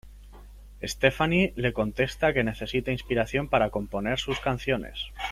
Stefani le contesta que necesita inspiración para componer sus canciones.